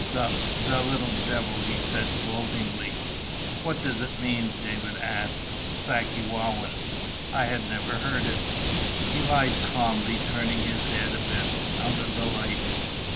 "The the little devil!" he said, gloatingly. "What does it mean?" David asked. "Sakewawin I had never heard it." He lied calmly, turning his head a bit out of the light.